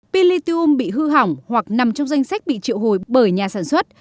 pin lithium bị hư hỏng hoặc nằm trong danh sách bị triệu hồi bởi nhà sản xuất